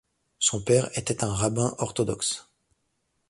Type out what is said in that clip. Son père était un rabbin orthodoxe.